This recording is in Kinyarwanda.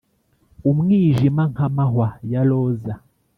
umwijima nk'amahwa ya roza.